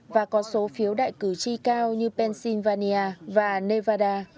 và có số phiếu đại cử tri cao như pennsylvania và nevada